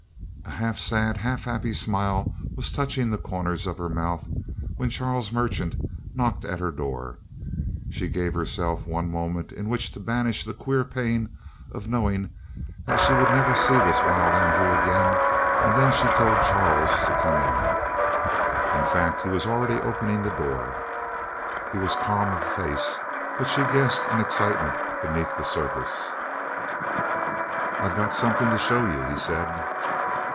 A half sad, half happy smile was touching the corners of her mouth, when Charles Merchant knocked at her door. She gave herself one moment in which to banish the queer pain of knowing that she would never see this wild Andrew again, and then she told Charles to come in. In fact, he was already opening the door. He was calm of face, but she guessed an excitement beneath the surface. "I've got something to show you," he said.